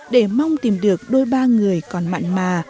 để mong tìm được đôi ba người còn mặn mà